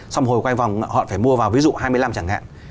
xong hồi quay vòng họ phải mua vào ví dụ hai mươi năm chẳng hạn